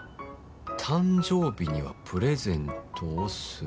「誕生日にはプレゼントをする」